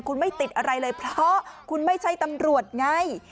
คุณไม่ติดอะไรเลยเพราะคุณไม่ใช่ตำรวจไง